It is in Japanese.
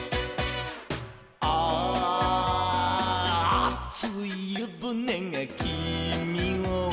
「あついゆぶねがきみを」